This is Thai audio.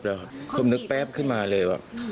แล้วผมนึกแป๊บขึ้นมาเลยว่า